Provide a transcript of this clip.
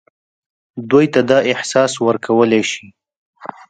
دوی ته دا احساس ورکولای شي.